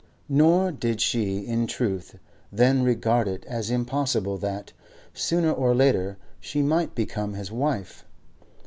Nor did she, in truth, then regard it as impossible that, sooner or later, she might become his wife.